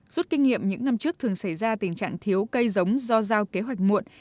rút kinh nghiệm những năm trước thường xảy ra tình trạng thiếu cây giống do giao kế hoạch muộn